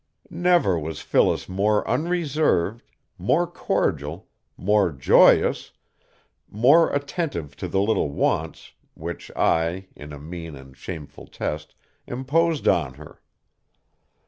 Never was Phyllis more unreserved, more cordial, more joyous, more attentive to the little wants, which I, in a mean and shameful test, imposed on her.